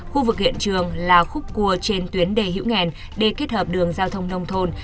khu vực hiện trường là khúc cua trên tuyến đề hữu nghèn để kết hợp đường giao thông nông thôn